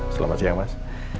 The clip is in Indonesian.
selamat siang mas